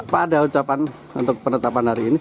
pak ada ucapan untuk penetapan hari ini